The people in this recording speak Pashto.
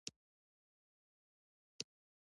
د برټانیې حکومت په هدایت د رخصت غوښتنه وکړه.